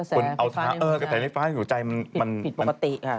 กระแสไม่ฟ้าในหัวใจปิดปกติค่ะ